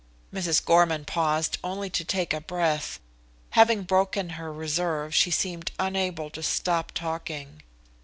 Mrs. Gorman paused only to take breath. Having broken her reserve she seemed unable to stop talking.